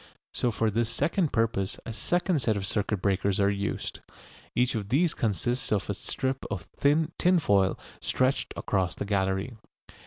So for this second purpose a second set of circuit breakers are used. Each of these consists of a strip of thin tinfoil stretched across the gallery.